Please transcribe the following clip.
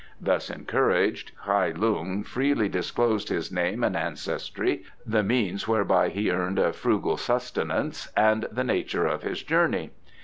Thus encouraged, Kai Lung freely disclosed his name and ancestry, the means whereby he earned a frugal sustenance and the nature of his journey.